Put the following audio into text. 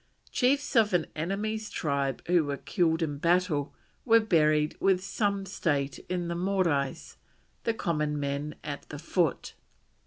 Chiefs of an enemy's tribe who were killed in battle were buried with some state in the Morais, the common men at the foot.